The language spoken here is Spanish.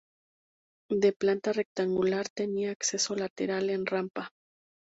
De planta rectangular, tenía acceso lateral en rampa.